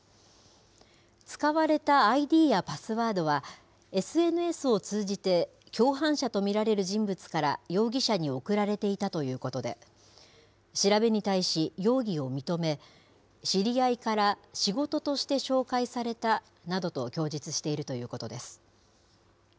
使われたＩＤやパスワードは、ＳＮＳを通じて共犯者と見られる人物から容疑者に送られていたということで、調べに対し、容疑を認め、知り合いから、仕事として紹介されたなどと供述しているということです。